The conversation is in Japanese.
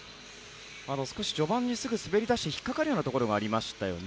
少し序盤にすぐ滑り出して引っかかったところがありましたよね。